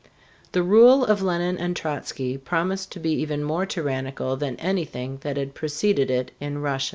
The rule of Lenine and Trotzky promised to be even more tyrannical than anything that had preceded it in Russia.